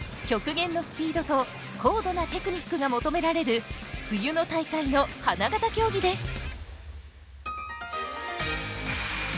極限のスピードと高度なテクニックが求められる冬の大会の花形競技です。